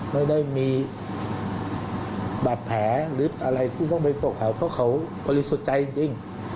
ไม่ได้มีบาดแผลหรืออะไรที่ต้องไปปกเขาเพราะเขาบริสุทธิ์ใจจริง